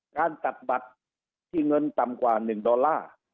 การตัดบัตรที่เงินต่ำกว่า๑ดอลลาร์